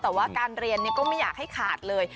แต่ว่าการเรียนก็ไม่อยากให้ขาดเลย